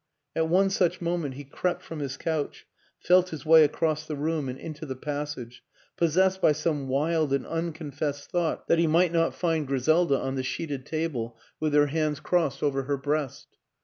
At one such moment he crept from his couch, felt his way across the room and into the passage possessed by some wild and uncon fessed thought that he might not find Griselda 176 WILLIAM AN ENGLISHMAN on the sheeted table with her hands crossed over her breast.